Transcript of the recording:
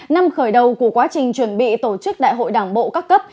năm khởi đầu của quá trình chuẩn bị tổ chức đại hội đảng bộ các cấp